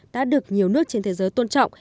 đã được nhiều nước trên thế giới tôn trọng